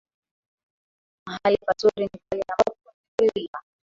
Mahali pazuri ni pale ambapo pametulia